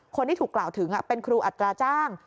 คนที่ถูกกล่าวถึงเป็นครูอัตราจ้าง